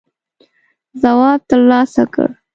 ځواب تر لاسه کړ.